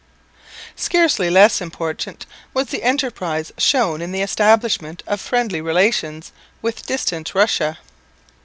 Scarcely less important was the enterprise shown in the establishment of friendly relations with distant Russia.